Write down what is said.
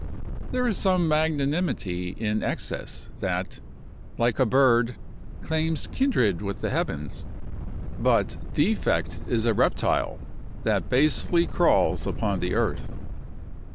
There is some magnanimity in excess, that, like a bird, claims kindred with the heavens; but defect is a reptile, that basely crawls upon the earth.